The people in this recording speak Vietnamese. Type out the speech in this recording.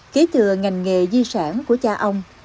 kể từ ngành nghề di sản của cha ông